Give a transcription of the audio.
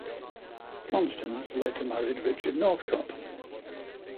Constance later married Richard Northcott.